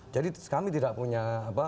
jadi kami tidak punya